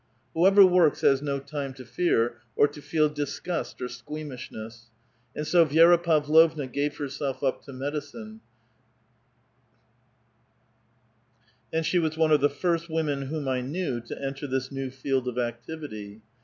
Whoever works has no time to fear, or to feel disgust or squeamishness. And so Vi^ra Pavlovna gave herself up to medicine ; and she was one of the first women whom I knew to enter this new field of activity.